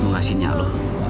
mau ngasihnya lo